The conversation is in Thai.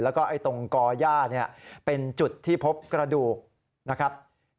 แล้วก็ตรงก่อย่าเป็นจุดที่พบกระดูกนะครับ